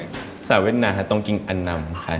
ภาษาเวียดนามค่ะตรงกิงอนำค่ะ